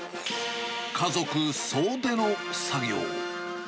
家族総出の作業。